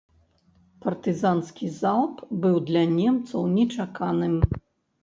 Партызанскі залп быў для немцаў нечаканым.